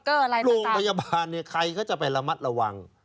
อะไรล่ะโรงพยาบาลเนี่ยใครเขาจะไประมัดระวัง